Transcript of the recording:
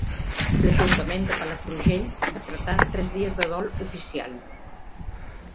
L'Ajuntament de Palafrugell decretà tres dies de dol oficial.